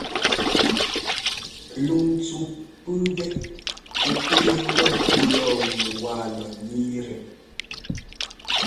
Luŋntsu pʉ́ʉpɛ́ ɛ́ pigɛ ŋgɔ pɛ́ lɔɔ ŋu wa lɔ ńniitɛ.